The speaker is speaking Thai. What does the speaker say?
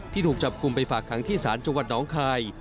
ถูกจับกลุ่มไปฝากขังที่ศาลจังหวัดน้องคาย